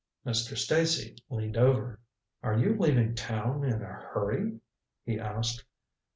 Mr. Stacy leaned over. "Are you leaving town in a hurry?" he asked.